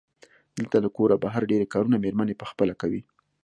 دلته له کوره بهر ډېری کارونه مېرمنې پخپله کوي.